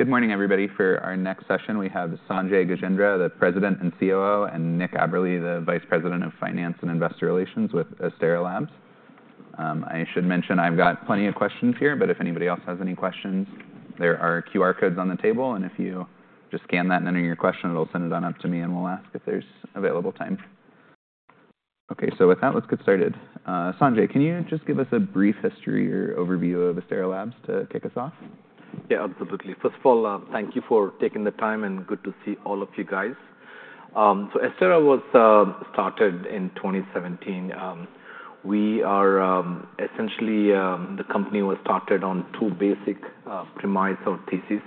Good morning, everybody. For our next session, we have Sanjay Gajendra, the President and COO, and Nick Aberle, the Vice President of Finance and Investor Relations with Astera Labs. I should mention I've got plenty of questions here, but if anybody else has any questions, there are QR codes on the table, and if you just scan that and enter your question, it'll send it on up to me, and we'll ask if there's available time. OK, so with that, let's get started. Sanjay, can you just give us a brief history or overview of Astera Labs to kick us off? Yeah, absolutely. First of all, thank you for taking the time, and good to see all of you guys. So Astera Labs was started in 2017. We are essentially the company was started on two basic premises or theses.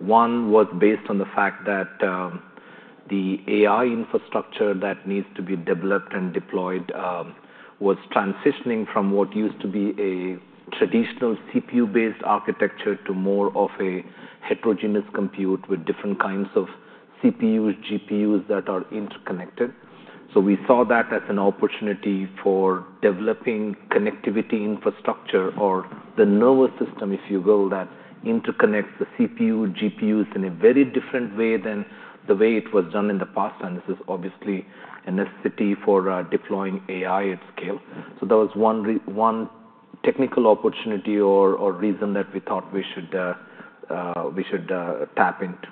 One was based on the fact that the AI infrastructure that needs to be developed and deployed was transitioning from what used to be a traditional CPU-based architecture to more of a heterogeneous compute with different kinds of CPUs, GPUs that are interconnected. So we saw that as an opportunity for developing connectivity infrastructure, or the nervous system, if you will, that interconnects the CPU, GPUs in a very different way than the way it was done in the past. And this is obviously a necessity for deploying AI at scale. So that was one technical opportunity or reason that we thought we should tap into.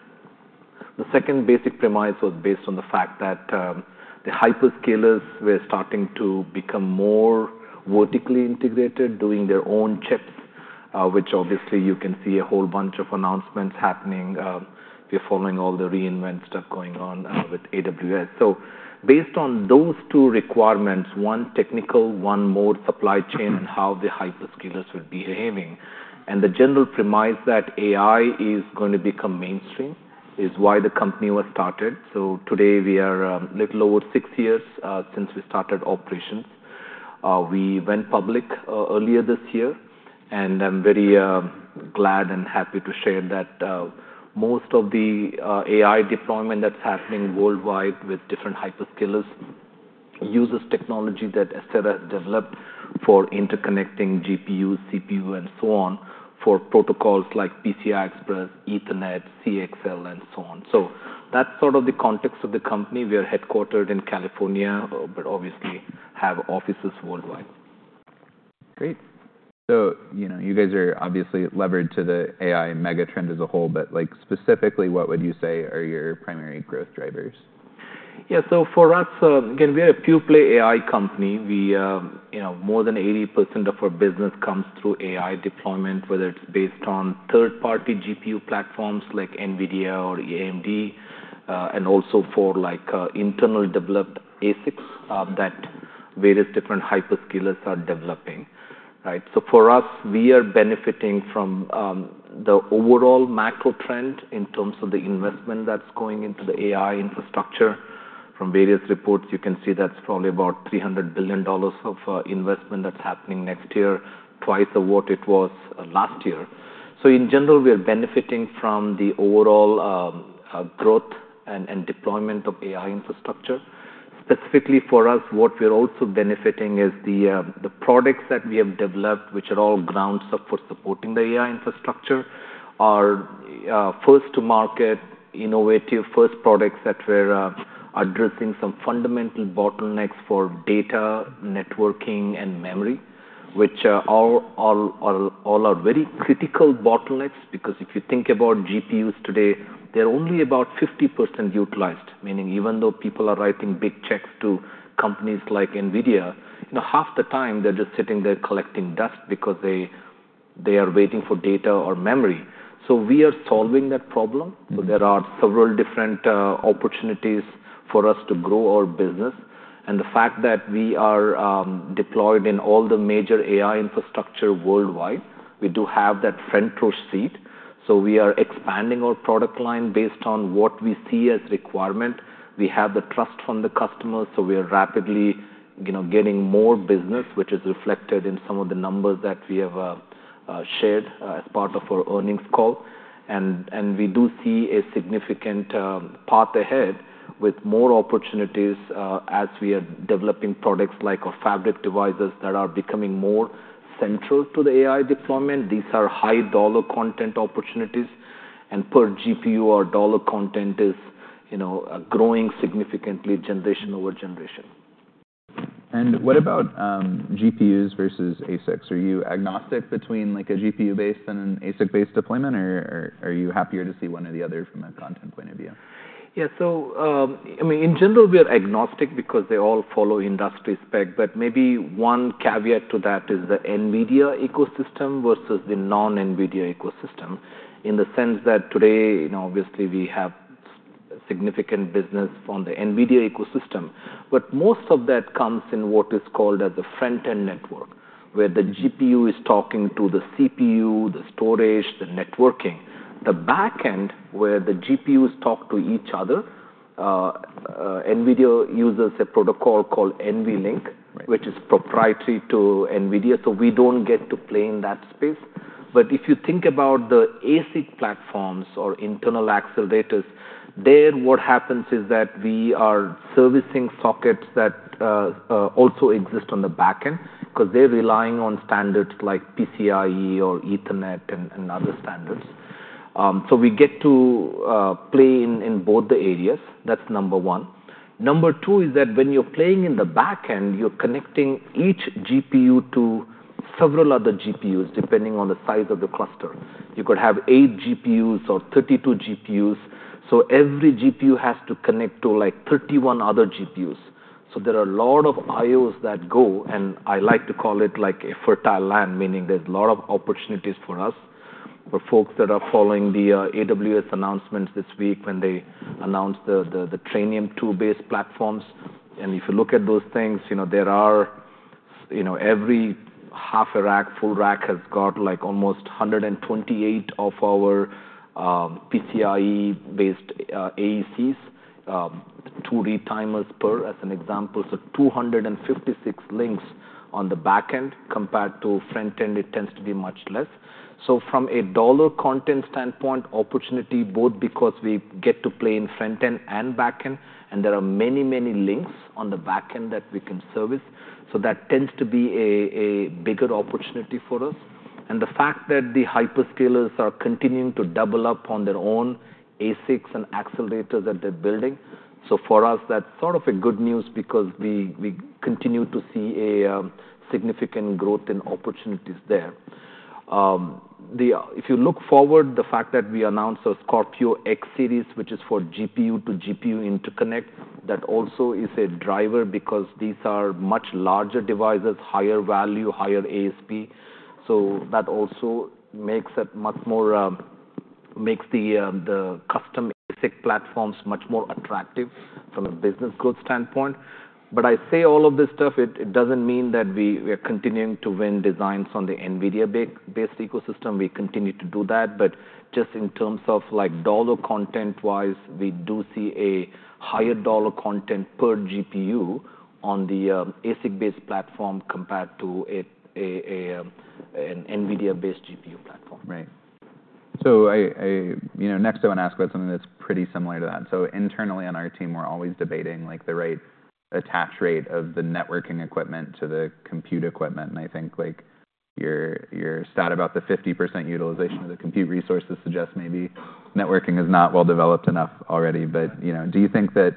The second basic premise was based on the fact that the hyperscalers were starting to become more vertically integrated, doing their own chips, which obviously you can see a whole bunch of announcements happening. We're following all the re:Invent stuff going on with AWS. So based on those two requirements, one technical, one more supply chain, and how the hyperscalers were behaving, and the general premise that AI is going to become mainstream is why the company was started. So today we are a little over six years since we started operations. We went public earlier this year, and I'm very glad and happy to share that most of the AI deployment that's happening worldwide with different hyperscalers uses technology that Astera has developed for interconnecting GPUs, CPU, and so on for protocols like PCI Express, Ethernet, CXL, and so on. So that's sort of the context of the company. We are headquartered in California, but obviously have offices worldwide. Great. So you guys are obviously levered to the AI mega trend as a whole, but specifically, what would you say are your primary growth drivers? Yeah, so for us, again, we are a pure-play AI company. More than 80% of our business comes through AI deployment, whether it's based on third-party GPU platforms like NVIDIA or AMD, and also for internally developed ASICs that various different hyperscalers are developing. So for us, we are benefiting from the overall macro trend in terms of the investment that's going into the AI infrastructure. From various reports, you can see that's probably about $300 billion of investment that's happening next year, twice of what it was last year. So in general, we are benefiting from the overall growth and deployment of AI infrastructure. Specifically for us, what we're also benefiting is the products that we have developed, which are all grounds for supporting the AI infrastructure, are first-to-market, innovative first products that were addressing some fundamental bottlenecks for data, networking, and memory, which all are very critical bottlenecks. Because if you think about GPUs today, they're only about 50% utilized, meaning even though people are writing big checks to companies like NVIDIA, half the time they're just sitting there collecting dust because they are waiting for data or memory. So we are solving that problem. So there are several different opportunities for us to grow our business. And the fact that we are deployed in all the major AI infrastructure worldwide, we do have that front row seat. So we are expanding our product line based on what we see as requirement. We have the trust from the customers, so we are rapidly getting more business, which is reflected in some of the numbers that we have shared as part of our earnings call. We do see a significant path ahead with more opportunities as we are developing products like our fabric devices that are becoming more central to the AI deployment. These are high-dollar content opportunities, and per GPU, our dollar content is growing significantly generation over generation. What about GPUs versus ASICs? Are you agnostic between a GPU-based and an ASIC-based deployment, or are you happier to see one or the other from a content point of view? Yeah, so I mean, in general, we are agnostic because they all follow industry spec. But maybe one caveat to that is the NVIDIA ecosystem versus the non-NVIDIA ecosystem, in the sense that today, obviously, we have significant business on the NVIDIA ecosystem. But most of that comes in what is called as a front-end network, where the GPU is talking to the CPU, the storage, the networking. The back end, where the GPUs talk to each other, NVIDIA uses a protocol called NVLink, which is proprietary to NVIDIA, so we don't get to play in that space. But if you think about the ASIC platforms or internal accelerators, there what happens is that we are servicing sockets that also exist on the back end because they're relying on standards like PCIe or Ethernet and other standards. So we get to play in both the areas. That's number one. Number two is that when you're playing in the back end, you're connecting each GPU to several other GPUs, depending on the size of the cluster. You could have eight GPUs or 32 GPUs, so every GPU has to connect to like 31 other GPUs. So there are a lot of I/Os that go, and I like to call it like a fertile land, meaning there's a lot of opportunities for us, for folks that are following the AWS announcements this week when they announced the Trainium2-based platforms. And if you look at those things, there are every half a rack, full rack has got like almost 128 of our PCIe-based AECs, two retimers per, as an example. So 256 links on the back end. Compared to front end, it tends to be much less. So from a dollar content standpoint, opportunity, both because we get to play in front end and back end, and there are many, many links on the back end that we can service. So that tends to be a bigger opportunity for us. And the fact that the hyperscalers are continuing to double up on their own ASICs and accelerators that they're building, so for us, that's sort of good news because we continue to see a significant growth in opportunities there. If you look forward, the fact that we announced our Scorpio X-Series, which is for GPU to GPU interconnects, that also is a driver because these are much larger devices, higher value, higher ASP. So that also makes the custom ASIC platforms much more attractive from a business growth standpoint. But I say all of this stuff, it doesn't mean that we are continuing to win designs on the NVIDIA-based ecosystem. We continue to do that. But just in terms of dollar content-wise, we do see a higher dollar content per GPU on the ASIC-based platform compared to an NVIDIA-based GPU platform. Right. So next I want to ask about something that's pretty similar to that. So internally on our team, we're always debating the right attach rate of the networking equipment to the compute equipment. And I think your stat about the 50% utilization of the compute resources suggests maybe networking is not well developed enough already. But do you think that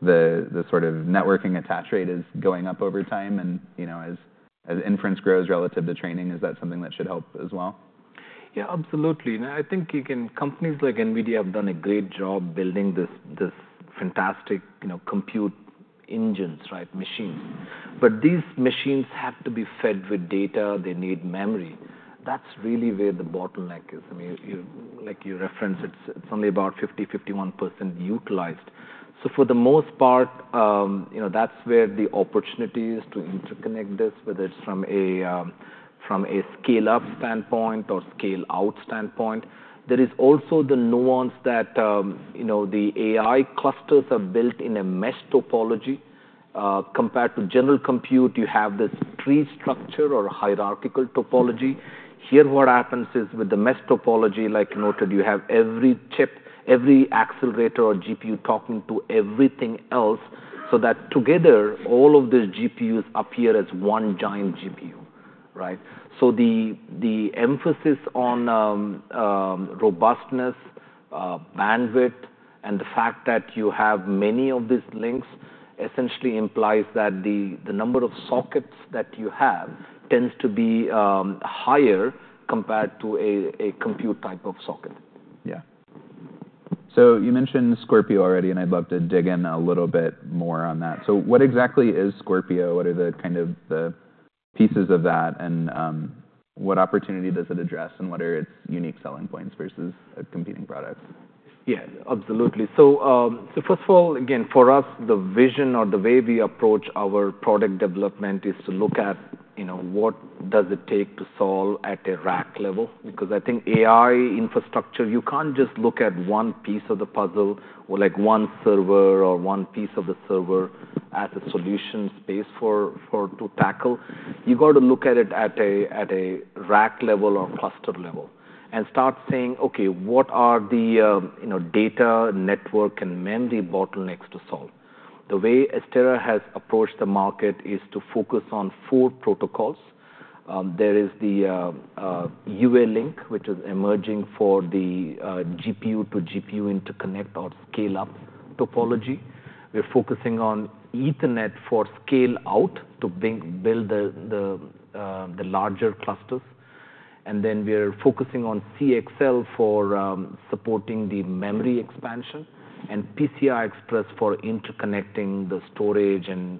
the networking attach rate is going up over time? And as inference grows relative to training, is that something that should help as well? Yeah, absolutely. And I think companies like NVIDIA have done a great job building these fantastic compute engines, machines. But these machines have to be fed with data. They need memory. That's really where the bottleneck is. I mean, like you referenced, it's only about 50%, 51% utilized. So for the most part, that's where the opportunity is to interconnect this, whether it's from a scale-up standpoint or scale-out standpoint. There is also the nuance that the AI clusters are built in a mesh topology. Compared to general compute, you have this tree structure or hierarchical topology. Here what happens is with the mesh topology, like you noted, you have every chip, every accelerator, or GPU talking to everything else so that together, all of these GPUs appear as one giant GPU. So the emphasis on robustness, bandwidth, and the fact that you have many of these links essentially implies that the number of sockets that you have tends to be higher compared to a compute type of socket. Yeah. So you mentioned Scorpio already, and I'd love to dig in a little bit more on that. So what exactly is Scorpio? What are the pieces of that, and what opportunity does it address, and what are its unique selling points versus a competing product? Yeah, absolutely. So first of all, again, for us, the vision or the way we approach our product development is to look at what it takes to solve at a rack level. Because I think AI infrastructure, you can't just look at one piece of the puzzle or one server or one piece of the server as a solution space to tackle. You've got to look at it at a rack level or cluster level and start saying, OK, what are the data, network, and memory bottlenecks to solve? The way Astera has approached the market is to focus on four protocols. There is the UALink, which is emerging for the GPU to GPU interconnect or scale-up topology. We're focusing on Ethernet for scale-out to build the larger clusters. And then we are focusing on CXL for supporting the memory expansion and PCI Express for interconnecting the storage and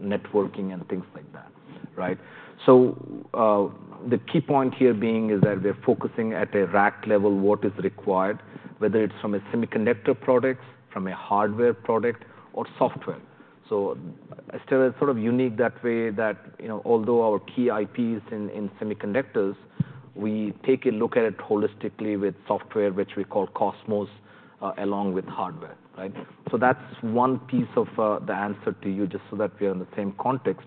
networking and things like that. So the key point here being is that we're focusing at a rack level what is required, whether it's from a semiconductor product, from a hardware product, or software. So Astera is sort of unique that way that although our key IPs in semiconductors, we take a look at it holistically with software, which we call Cosmos, along with hardware. So that's one piece of the answer to you, just so that we are in the same context.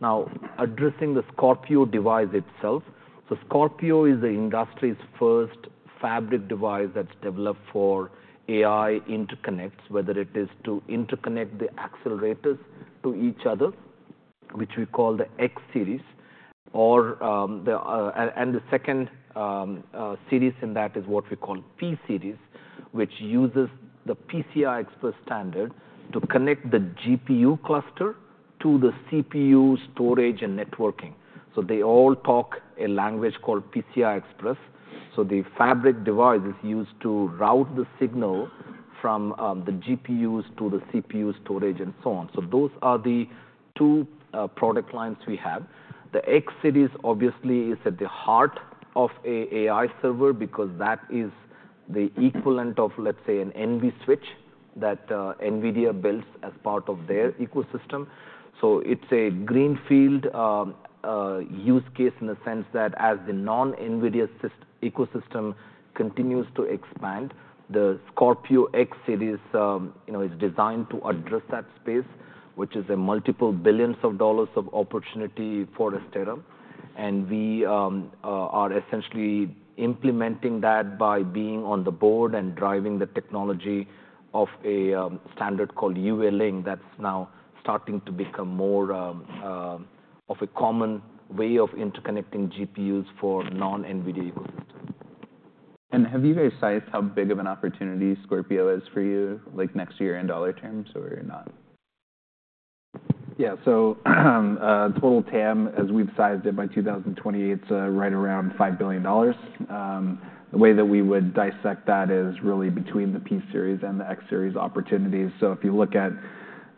Now, addressing the Scorpio device itself, so Scorpio is the industry's first fabric device that's developed for AI interconnects, whether it is to interconnect the accelerators to each other, which we call the X-Series. And the second series in that is what we call P-Series, which uses the PCI Express standard to connect the GPU cluster to the CPU storage and networking. So they all talk a language called PCI Express. So the fabric device is used to route the signal from the GPUs to the CPU storage and so on. So those are the two product lines we have. The X-Series, obviously, is at the heart of an AI server because that is the equivalent of, let's say, an NVSwitch that NVIDIA builds as part of their ecosystem. So it's a greenfield use case in the sense that as the non-NVIDIA ecosystem continues to expand, the Scorpio X-Series is designed to address that space, which is multiple billions of dollars of opportunity for Astera. We are essentially implementing that by being on the board and driving the technology of a standard called UALink that's now starting to become more of a common way of interconnecting GPUs for non-NVIDIA ecosystem. Have you guys sized how big of an opportunity Scorpio is for you next year in dollar terms or not? Yeah, so total TAM, as we've sized it by 2028, it's right around $5 billion. The way that we would dissect that is really between the P-Series and the X-Series opportunities. So if you look at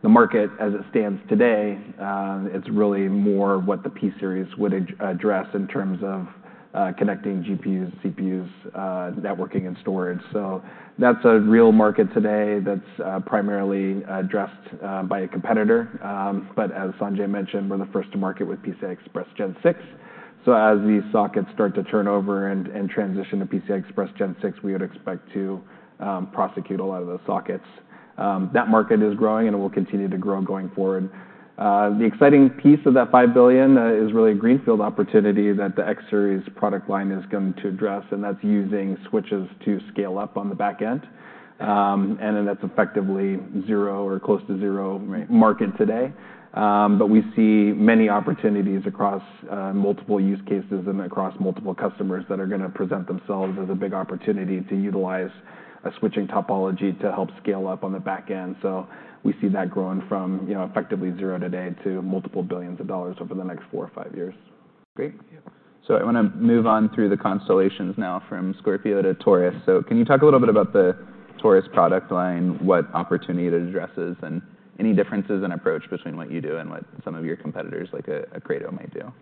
the market as it stands today, it's really more what the P-series would address in terms of connecting GPUs, CPUs, networking, and storage. So that's a real market today that's primarily addressed by a competitor. But as Sanjay mentioned, we're the first to market with PCI Express Gen 6. So as these sockets start to turn over and transition to PCI Express Gen 6, we would expect to prosecute a lot of those sockets. That market is growing, and it will continue to grow going forward. The exciting piece of that $5 billion is really a greenfield opportunity that the X-Series product line is going to address, and that's using switches to scale up on the back end, and then that's effectively zero or close to zero market today, but we see many opportunities across multiple use cases and across multiple customers that are going to present themselves as a big opportunity to utilize a switching topology to help scale up on the back end, so we see that growing from effectively zero today to multiple billions of dollars over the next four or five years. Great. So I want to move on through the constellations now from Scorpio to Taurus. So can you talk a little bit about the Taurus product line, what opportunity it addresses, and any differences in approach between what you do and what some of your competitors like Credo might do?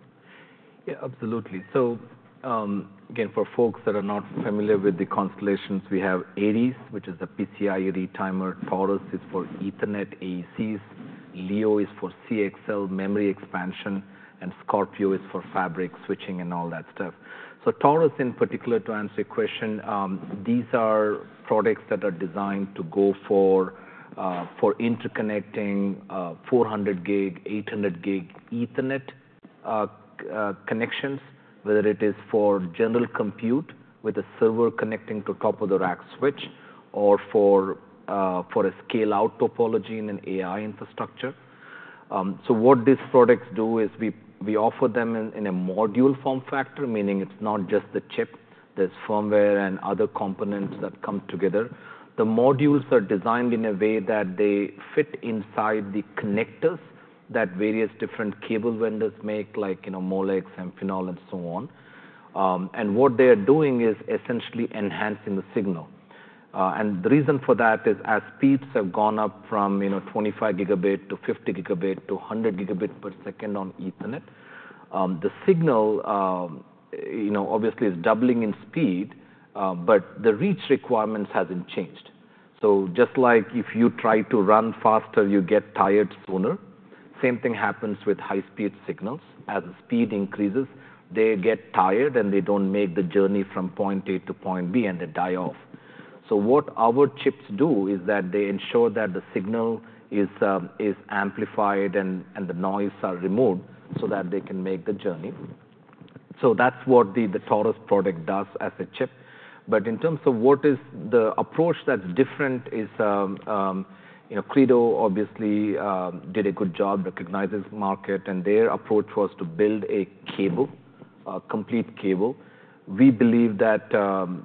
Yeah, absolutely. So again, for folks that are not familiar with the constellations, we have Ares, which is a PCIe re-timer. Taurus is for Ethernet AECs. Leo is for CXL, memory expansion, and Scorpio is for fabric switching and all that stuff. So Taurus, in particular, to answer your question, these are products that are designed to go for interconnecting 400 gig, 800 gig Ethernet connections, whether it is for general compute with a server connecting to top of the rack switch or for a scale-out topology in an AI infrastructure. So what these products do is we offer them in a module form factor, meaning it's not just the chip. There's firmware and other components that come together. The modules are designed in a way that they fit inside the connectors that various different cable vendors make, like Molex, Amphenol, and so on. What they are doing is essentially enhancing the signal. The reason for that is as speeds have gone up from 25 gigabit to 50 gigabit to 100 gigabit per second on Ethernet, the signal obviously is doubling in speed, but the reach requirements haven't changed. Just like if you try to run faster, you get tired sooner, same thing happens with high-speed signals. As the speed increases, they get tired, and they don't make the journey from point A to point B, and they die off. What our chips do is that they ensure that the signal is amplified and the noise is removed so that they can make the journey. That's what the Taurus product does as a chip. But in terms of what is the approach that's different is Credo, obviously, did a good job, recognizes the market, and their approach was to build a cable, a complete cable. We believe that the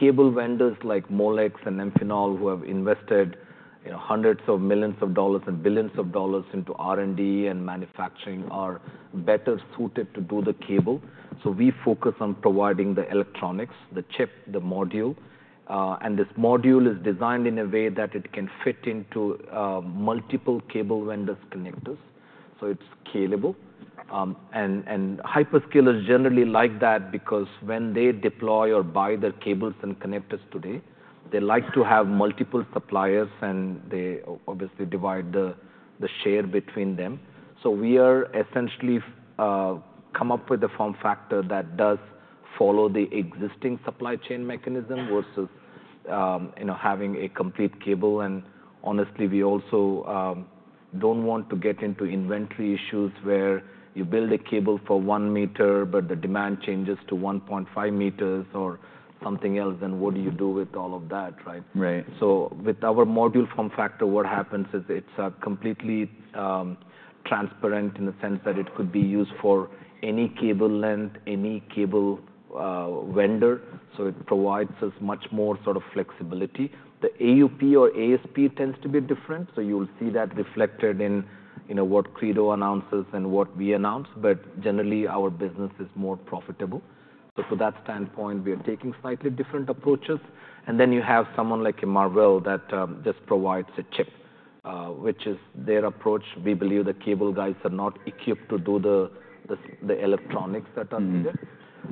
cable vendors like Molex and Amphenol, who have invested hundreds of millions of dollars and billions of dollars into R&D and manufacturing, are better suited to do the cable. So we focus on providing the electronics, the chip, the module. And this module is designed in a way that it can fit into multiple cable vendors' connectors. So it's scalable. And hyperscalers generally like that because when they deploy or buy their cables and connectors today, they like to have multiple suppliers, and they obviously divide the share between them. So we are essentially coming up with a form factor that does follow the existing supply chain mechanism versus having a complete cable. And honestly, we also don't want to get into inventory issues where you build a cable for one meter, but the demand changes to 1.5 meters or something else. And what do you do with all of that? So with our module form factor, what happens is it's completely transparent in the sense that it could be used for any cable length, any cable vendor. So it provides us much more sort of flexibility. The AUP or ASP tends to be different. So you'll see that reflected in what Credo announces and what we announce. But generally, our business is more profitable. So for that standpoint, we are taking slightly different approaches. And then you have someone like Marvell that just provides a chip, which is their approach. We believe the cable guys are not equipped to do the electronics that are needed.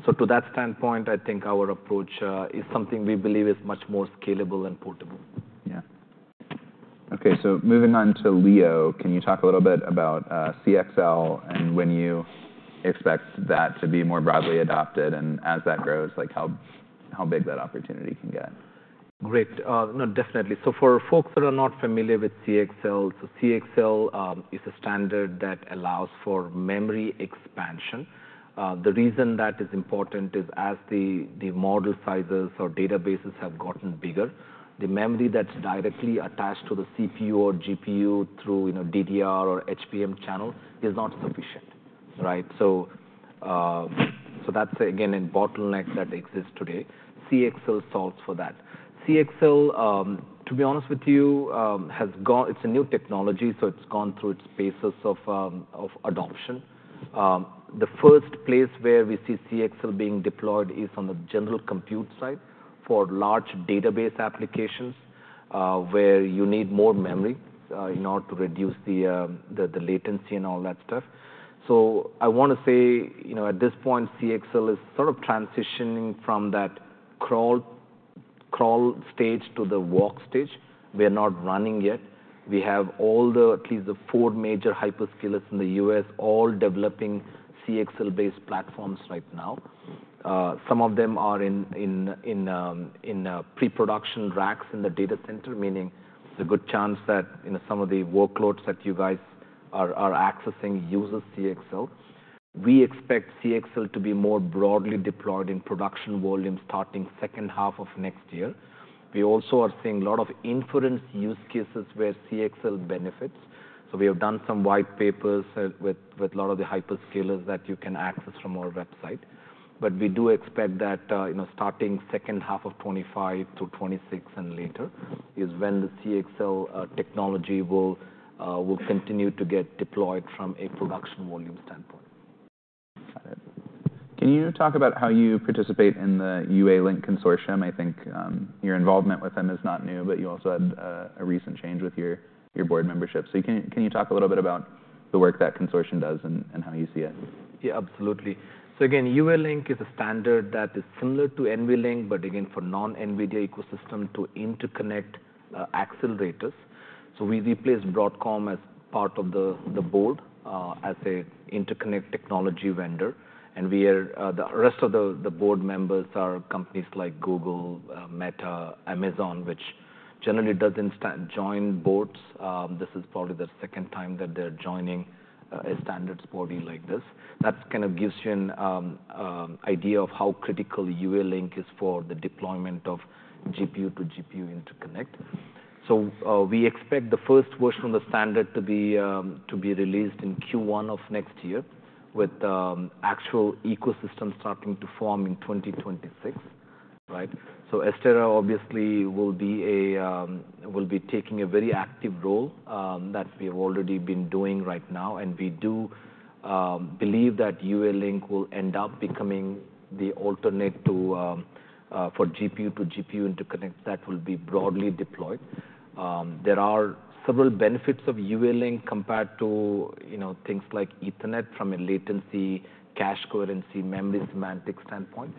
So to that standpoint, I think our approach is something we believe is much more scalable and portable. Yeah. OK, so moving on to Leo, can you talk a little bit about CXL and when you expect that to be more broadly adopted and as that grows, how big that opportunity can get? Great. No, definitely. So for folks that are not familiar with CXL, so CXL is a standard that allows for memory expansion. The reason that is important is as the model sizes or databases have gotten bigger, the memory that's directly attached to the CPU or GPU through DDR or HBM channel is not sufficient. So that's, again, a bottleneck that exists today. CXL solves for that. CXL, to be honest with you, it's a new technology, so it's gone through its phases of adoption. The first place where we see CXL being deployed is on the general compute side for large database applications where you need more memory in order to reduce the latency and all that stuff. So I want to say at this point, CXL is sort of transitioning from that crawl stage to the walk stage. We are not running yet. We have at least the four major hyperscalers in the U.S. all developing CXL-based platforms right now. Some of them are in pre-production racks in the data center, meaning there's a good chance that some of the workloads that you guys are accessing use CXL. We expect CXL to be more broadly deployed in production volume starting second half of next year. We also are seeing a lot of inference use cases where CXL benefits. So we have done some white papers with a lot of the hyperscalers that you can access from our website. But we do expect that starting second half of 2025 through 2026 and later is when the CXL technology will continue to get deployed from a production volume standpoint. Got it. Can you talk about how you participate in the UALink Consortium? I think your involvement with them is not new, but you also had a recent change with your board membership. So can you talk a little bit about the work that consortium does and how you see it? Yeah, absolutely. So again, UALink is a standard that is similar to NVLink, but again, for non-NVIDIA ecosystem to interconnect accelerators. So we replaced Broadcom as part of the board as an interconnect technology vendor. And the rest of the board members are companies like Google, Meta, Amazon, which generally doesn't join boards. This is probably the second time that they're joining a standards body like this. That kind of gives you an idea of how critical UALink is for the deployment of GPU to GPU interconnect. So we expect the first version of the standard to be released in Q1 of next year with actual ecosystems starting to form in 2026. So Astera, obviously, will be taking a very active role that we have already been doing right now. We do believe that UALink will end up becoming the alternate for GPU to GPU interconnect that will be broadly deployed. There are several benefits of UALink compared to things like Ethernet from a latency, cache coherency, memory semantic standpoint.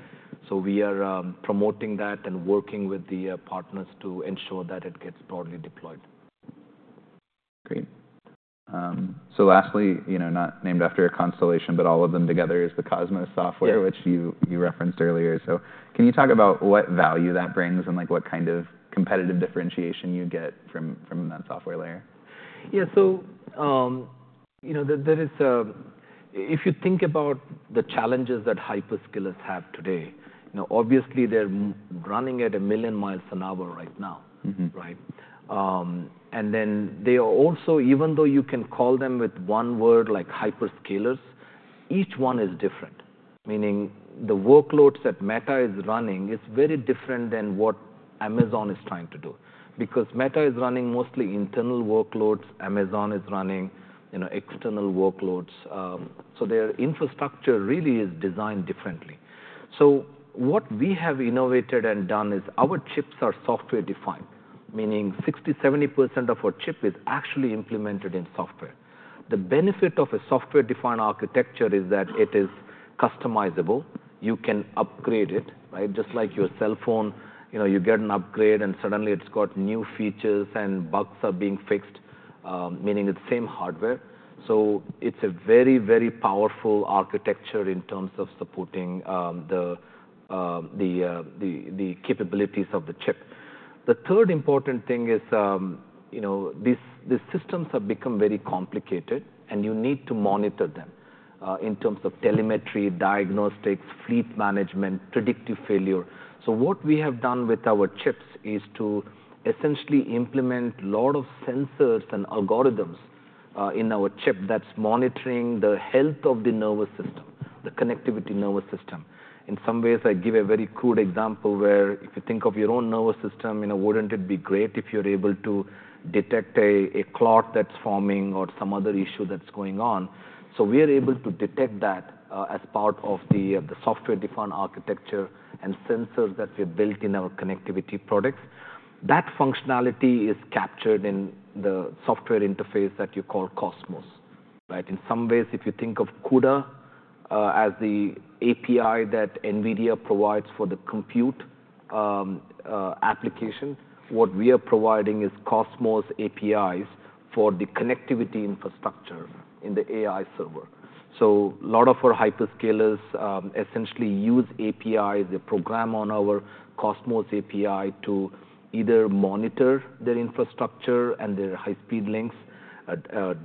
We are promoting that and working with the partners to ensure that it gets broadly deployed. Great. So lastly, not named after a constellation, but all of them together is the Cosmos software, which you referenced earlier. So can you talk about what value that brings and what kind of competitive differentiation you get from that software layer? Yeah, so if you think about the challenges that hyperscalers have today, obviously, they're running at a million miles an hour right now, and then they are also, even though you can call them with one word like hyperscalers, each one is different, meaning the workloads that Meta is running are very different than what Amazon is trying to do. Because Meta is running mostly internal workloads, Amazon is running external workloads, so their infrastructure really is designed differently, so what we have innovated and done is our chips are software-defined, meaning 60%, 70% of our chip is actually implemented in software. The benefit of a software-defined architecture is that it is customizable. You can upgrade it, just like your cell phone. You get an upgrade, and suddenly it's got new features, and bugs are being fixed, meaning it's the same hardware. So it's a very, very powerful architecture in terms of supporting the capabilities of the chip. The third important thing is these systems have become very complicated, and you need to monitor them in terms of telemetry, diagnostics, fleet management, predictive failure. So what we have done with our chips is to essentially implement a lot of sensors and algorithms in our chip that's monitoring the health of the nervous system, the connectivity nervous system. In some ways, I give a very crude example where if you think of your own nervous system, wouldn't it be great if you're able to detect a clot that's forming or some other issue that's going on? So we are able to detect that as part of the software-defined architecture and sensors that we have built in our connectivity products. That functionality is captured in the software interface that you call Cosmos. In some ways, if you think of CUDA as the API that NVIDIA provides for the compute application, what we are providing is Cosmos APIs for the connectivity infrastructure in the AI server. So a lot of our hyperscalers essentially use APIs, a program on our Cosmos API, to either monitor their infrastructure and their high-speed links,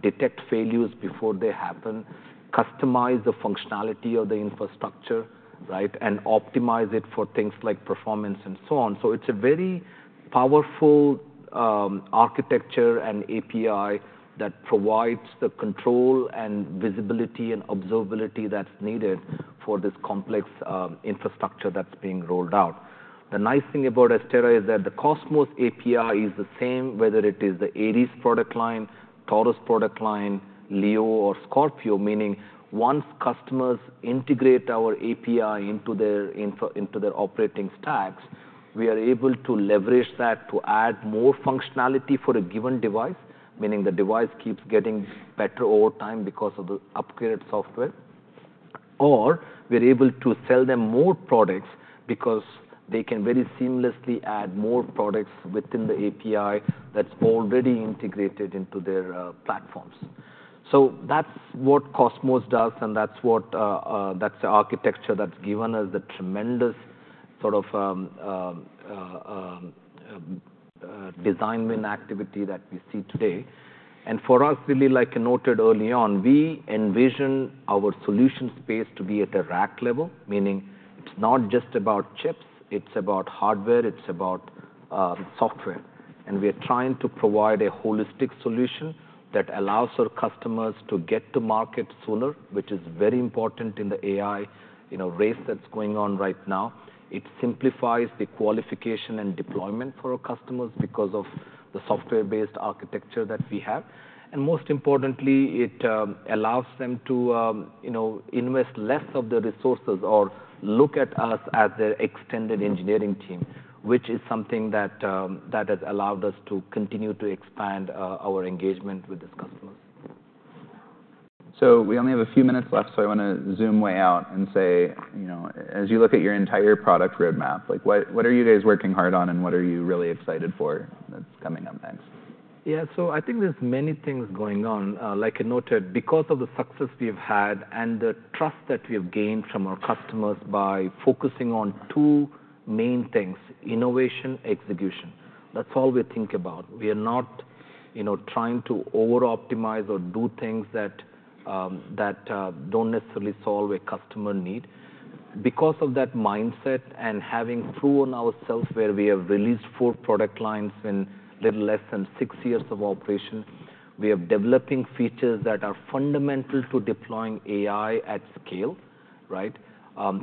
detect failures before they happen, customize the functionality of the infrastructure, and optimize it for things like performance and so on. So it's a very powerful architecture and API that provides the control and visibility and observability that's needed for this complex infrastructure that's being rolled out. The nice thing about Astera is that the Cosmos API is the same, whether it is the Ares product line, Taurus product line, Leo, or Scorpio, meaning once customers integrate our API into their operating stacks, we are able to leverage that to add more functionality for a given device, meaning the device keeps getting better over time because of the upgraded software, or we're able to sell them more products because they can very seamlessly add more products within the API that's already integrated into their platforms, so that's what Cosmos does, and that's the architecture that's given us the tremendous sort of design win activity that we see today, and for us, really, like I noted early on, we envision our solution space to be at a rack level, meaning it's not just about chips. It's about hardware. It's about software. We are trying to provide a holistic solution that allows our customers to get to market sooner, which is very important in the AI race that's going on right now. It simplifies the qualification and deployment for our customers because of the software-based architecture that we have. Most importantly, it allows them to invest less of their resources or look at us as their extended engineering team, which is something that has allowed us to continue to expand our engagement with these customers. So we only have a few minutes left, so I want to zoom way out and say, as you look at your entire product roadmap, what are you guys working hard on, and what are you really excited for that's coming up next? Yeah, so I think there's many things going on. Like I noted, because of the success we've had and the trust that we've gained from our customers by focusing on two main things: innovation, execution. That's all we think about. We are not trying to over-optimize or do things that don't necessarily solve a customer need. Because of that mindset and having proven ourselves where we have released four product lines in little less than six years of operation, we are developing features that are fundamental to deploying AI at scale.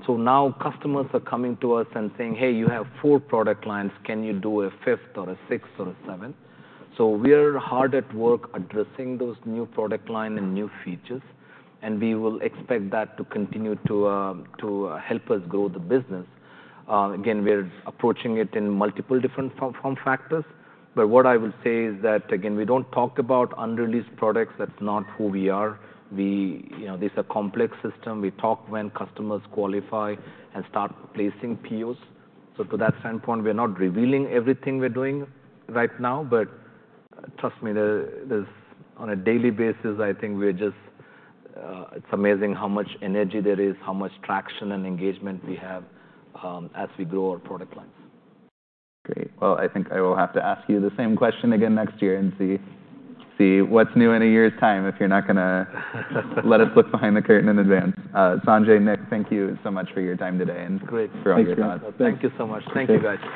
So now customers are coming to us and saying, hey, you have four product lines. Can you do a fifth or a sixth or a seventh? So we are hard at work addressing those new product lines and new features. And we will expect that to continue to help us grow the business. Again, we are approaching it in multiple different form factors. But what I will say is that, again, we don't talk about unreleased products. That's not who we are. These are complex systems. We talk when customers qualify and start placing POs. So to that standpoint, we are not revealing everything we're doing right now. But trust me, on a daily basis, I think it's amazing how much energy there is, how much traction and engagement we have as we grow our product lines. Great. Well, I think I will have to ask you the same question again next year and see what's new in a year's time if you're not going to let us look behind the curtain in advance. Sanjay, Nick, thank you so much for your time today and for all your thoughts. Thank you so much. Thank you, guys.